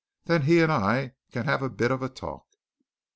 then he and I can have a bit of a talk."